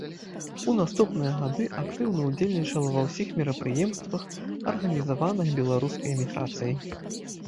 У наступныя гады актыўна ўдзельнічала ва ўсіх мерапрыемствах, арганізаваных беларускай эміграцыяй.